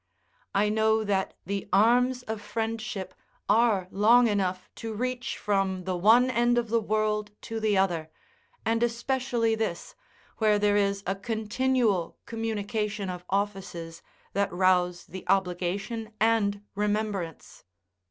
I know that the arms of friendship are long enough to reach from the one end of the world to the other, and especially this, where there is a continual communication of offices that rouse the obligation and remembrance.